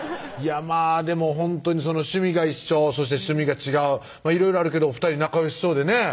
まぁでもほんとに趣味が一緒そして趣味が違ういろいろあるけど２人仲よしそうでね